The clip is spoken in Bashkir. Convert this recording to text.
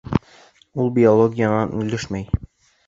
Ул биологиянан өлгәшмәй